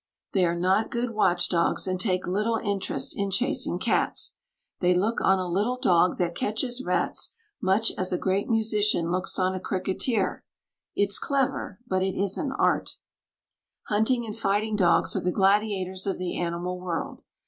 They are not good watch dogs, and take little interest in chasing cats. They look on a little dog that catches rats much as a great musician looks on a cricketer it's clever, but it isn't Art. Hunting and fighting dogs are the gladiators of the animal world.